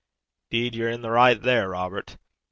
''Deed ye're i' the richt, there, Robert.